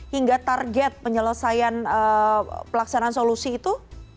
hingga target penyelesaian pelaksanaan solusi itu